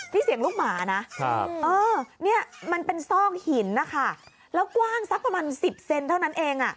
นี่เสียงลูกหมานะเนี่ยมันเป็นซอกหินนะคะแล้วกว้างสักประมาณ๑๐เซนเท่านั้นเอง